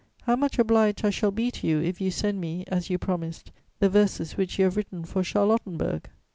How much obliged I shall be to you if you send me, as you promised, the verses which you have written for Charlottenburg!